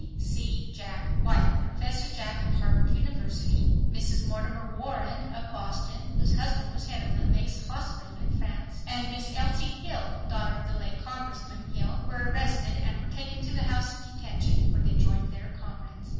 C. Jack, wife of Professor Jack of Harvard University, Mrs. Mortimer Warren of Boston, whose husband was head of a base hospital in France, and Miss Elsie Hill, daughter of the late Congressman Hill, were arrested and were taken to the House of Detention, where they joined their comrades.